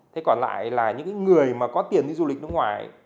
thế còn lại là những người mà có tiền đi du lịch nước ngoài